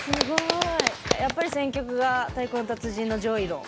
やっぱり選曲が「太鼓の達人」の上位の。